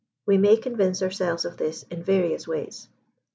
We may convince ourselves of this in various ways.